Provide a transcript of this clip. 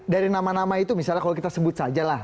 dari nama nama itu misalnya kalau kita sebut saja lah